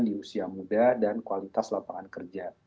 di usia muda dan kualitas lapangan kerja